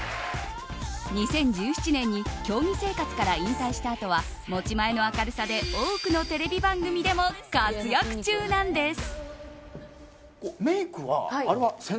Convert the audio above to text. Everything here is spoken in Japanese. ２０１７年に競技生活から引退したあとは持ち前の明るさで多くのテレビ番組でも活躍中なんです。